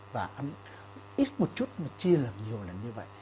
và ăn ít một chút mà chia làm nhiều lần như vậy